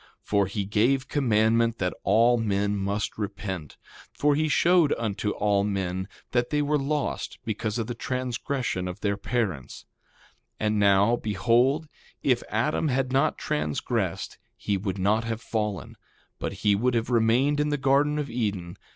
For he gave commandment that all men must repent; for he showed unto all men that they were lost, because of the transgression of their parents. 2:22 And now, behold, if Adam had not transgressed he would not have fallen, but he would have remained in the garden of Eden.